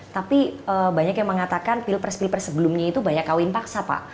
tapi banyak yang mengatakan pilpres pilpres sebelumnya itu banyak kawin paksa pak